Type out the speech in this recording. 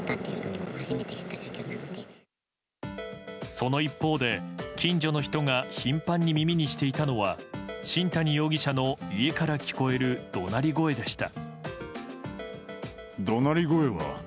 その一方で、近所の人が頻繁に耳にしていたのは新谷容疑者の家から聞こえる怒鳴り声でした。